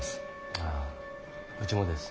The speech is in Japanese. あぁうちもです。